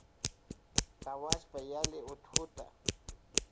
Hawuashpa yali utukuta.